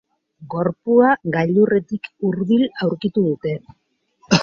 Gorpua gailurretik hurbil aurkitu dute.